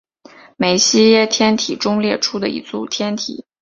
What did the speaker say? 梅西耶天体中列出的一组天体。